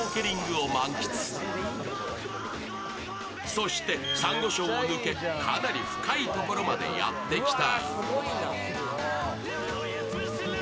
そして、さんご礁を抜け、かなり深いところまでやってきた。